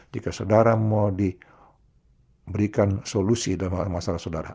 jika saudara mau diberikan solusi dalam masalah saudara